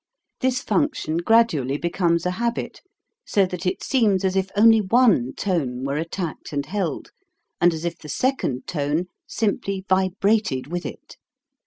This function gradually becomes a habit, so that it seems as if only one tone were attacked and held, and as if the second tone simply vibrated with it.